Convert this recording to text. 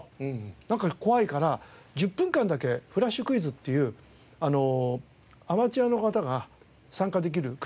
怖いから１０分間だけ「フラッシュクイズ」っていうアマチュアの方が参加できるクイズ番組やろうと。